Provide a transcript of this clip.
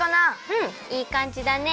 うんいいかんじだね。